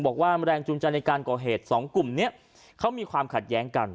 บอกว่าแรงจูงใจในการก่อเหตุสองกลุ่มนี้เขามีความขัดแย้งกัน